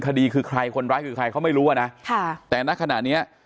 คดีคือใครคนร้ายคือใครเขาไม่รู้อ่ะนะค่ะแต่ณขณะเนี้ย